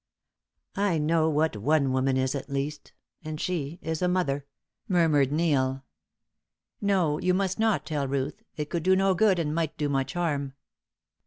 "I know what one woman is, at least; and she is a mother," murmured Neil. "No, you must not tell Ruth; it could do no good, and might do much harm."